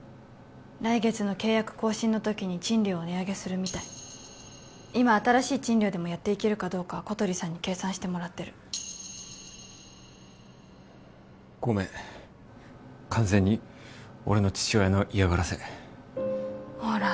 来月の契約更新の時に賃料を値上げするみたい今新しい賃料でもやっていけるかどうか小鳥さんに計算してもらってるごめん完全に俺の父親のいやがらせほら